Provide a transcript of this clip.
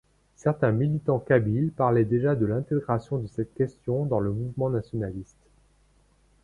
Certains militants kabyles parlaient déjà de l'intégration de cette question dans le mouvement nationaliste.